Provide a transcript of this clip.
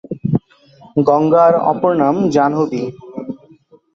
গঙ্গার অপর নাম জাহ্নবী।